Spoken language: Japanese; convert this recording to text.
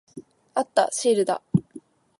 あった。シールだ。